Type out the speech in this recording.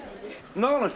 長野の人